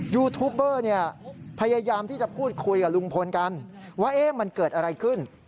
ยูทูปเบอร์เนี่ยพยายามที่จะพูดคุยกับลุงพลกันว่ามันเกิดอะไรขึ้น